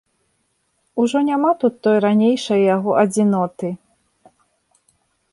Ужо няма тут той ранейшай яго адзіноты.